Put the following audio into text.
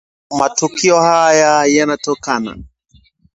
Matukio haya yanatokana